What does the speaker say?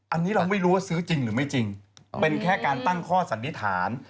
อันนี้เราไม่รู้ว่าซื้อจริงหรือไม่จริงเป็นแค่การตั้งข้อสันนิษฐาน